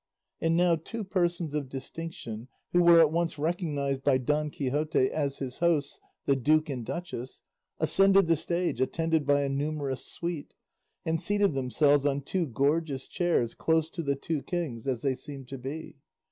And now two persons of distinction, who were at once recognised by Don Quixote as his hosts the duke and duchess, ascended the stage attended by a numerous suite, and seated themselves on two gorgeous chairs close to the two kings, as they seemed to be.